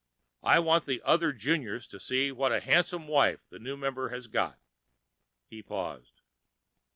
I want the other Juniors to see what a handsome wife the new member has got." He paused.